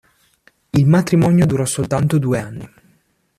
Il matrimonio durò soltanto due anni.